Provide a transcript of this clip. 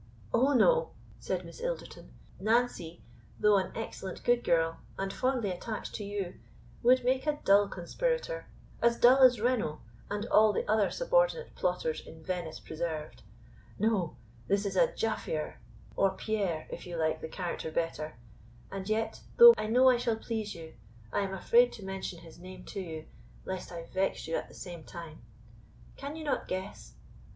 "O, no!" said Miss Ilderton; "Nancy, though an excellent good girl, and fondly attached to you, would make a dull conspirator as dull as Renault and all the other subordinate plotters in VENICE PRESERVED. No; this is a Jaffier, or Pierre, if you like the character better; and yet though I know I shall please you, I am afraid to mention his name to you, lest I vex you at the same time. Can you not guess?